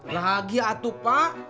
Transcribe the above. lagi atu pak